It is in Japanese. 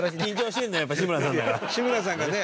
志村さんがね